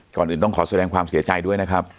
ก่อนอื่นต้องขอแสดงความเสียใจด้วยนะครับ